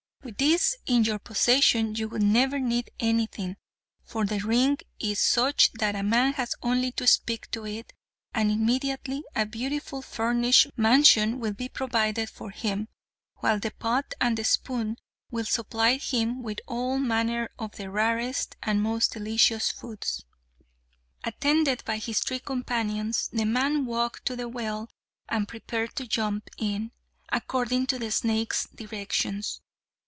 With these in your possession, you would never need anything, for the ring is such that a man has only to speak to it, and immediately a beautiful furnished mansion will be provided for him, while the pot and the spoon will supply him with all manner of the rarest and most delicious foods." Attended by his three companions the man walked to the well and prepared to jump in, according to the snake's directions.